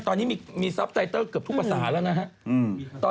ตอนนี้มีซับไตเตอร์เกือบทุกภาษาแล้วนะครับ